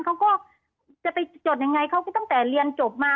เขาก็จะไปจดยังไงเขาก็ตั้งแต่เรียนจบมา